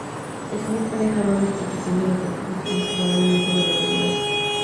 Smith y dejado a disposición de los nativos quienes probablemente lo destruyeron.